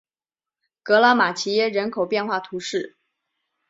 格拉马齐耶人口变化图示